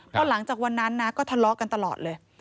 พอหลังจากวันนั้นนะก็ทะเลาะกันตลอดเลย